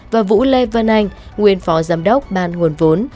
và vũ lê vân anh nguyên phó giám đốc ban nguồn vốn